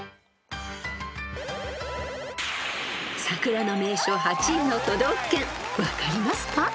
［桜の名所８位の都道府県分かりますか？］